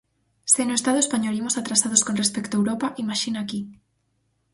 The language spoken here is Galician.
Se no Estado español imos atrasados con respecto a Europa, imaxina aquí!